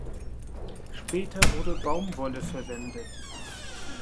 Später wurde Baumwolle verwendet.